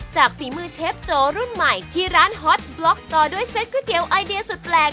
ฝีมือเชฟโจรุ่นใหม่ที่ร้านฮอตบล็อกต่อด้วยเซ็ตก๋วยเตี๋ยวไอเดียสุดแปลก